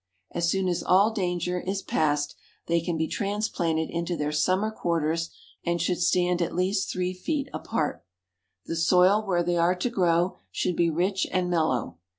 As soon as all danger is past they can be transplanted into their summer quarters, and should stand at least three feet apart. The soil where they are to grow, should be rich and mellow.